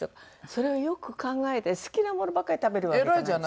それをよく考えて好きなものばかり食べるわけじゃ。